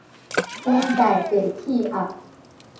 溫帶低氣壓